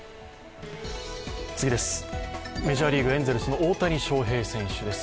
メジャーリーグ、エンゼルスの大谷翔平選手です。